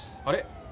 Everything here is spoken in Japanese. あれ？